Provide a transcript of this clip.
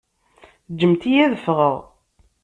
Ǧǧemt-iyi ad ffɣeɣ!